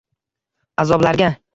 Azoblarga